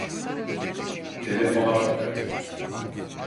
Telefona bak.